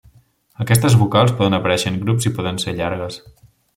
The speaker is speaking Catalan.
Aquestes vocals poden aparèixer en grups i poden ser llargues.